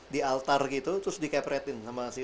di altar gitu terus dikepretin sama si